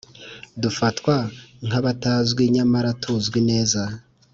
dufatwa nk abatazwi nyamara tuzwi neza